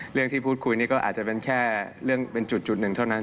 เรื่องที่พูดคุยนี่ก็อาจจะเป็นแค่เรื่องเป็นจุดหนึ่งเท่านั้น